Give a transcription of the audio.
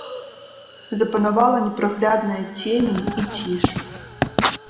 Запанавала непраглядная цемень і ціш.